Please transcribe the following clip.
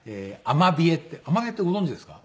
アマビエってご存じですか？